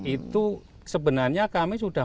itu sebenarnya kami sudah